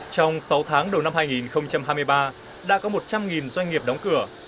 trong sáu tháng đầu năm hai nghìn hai mươi ba đã có một trăm linh doanh nghiệp đóng cửa